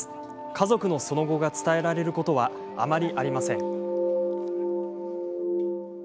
家族のその後が伝えられることはあまりありません。